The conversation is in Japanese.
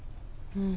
うん！